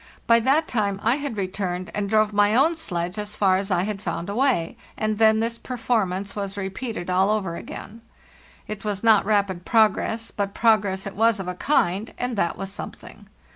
By that time I had returned and drove my own sledge as far as I had found a way; and then this performance was repeated all over again. It was not rapid progress, but progress it was of a kind, and that was something.